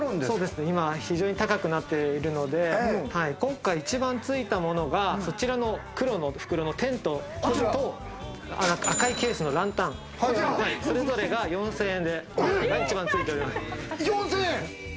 そうですね、いま非常に高くなっているので今回一番ついたものが黒の袋のテントと、赤いケースのランタン、それぞれが４０００円。